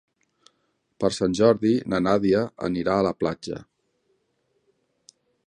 Per Sant Jordi na Nàdia anirà a la platja.